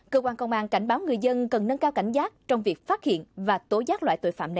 cơ quan công an cảnh báo người dân cần nâng cao cảnh giác trong việc phát hiện và tố giác loại tội phạm này